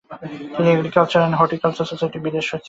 তিনি agricultural and horticulture সোসাইটির বিদেশ সচিব ছিলেন।